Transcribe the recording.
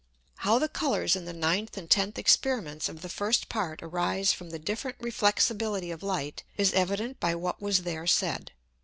[L] How the Colours in the ninth and tenth Experiments of the first Part arise from the different Reflexibility of Light, is evident by what was there said.